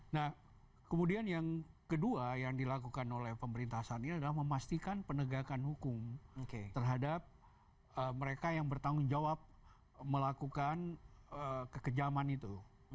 nah kemudian yang kedua yang dilakukan oleh pemerintah saat ini adalah memastikan penegakan hukum terhadap mereka yang bertanggung jawab melakukan kekejaman itu